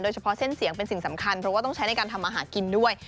เฉพาะเส้นเสียงเป็นสิ่งสำคัญเพราะว่าต้องใช้ในการทำอาหารกินด้วย